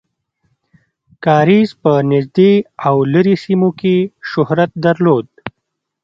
کاریز په نږدې او لرې سیمو کې شهرت درلود.